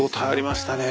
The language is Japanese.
ありました。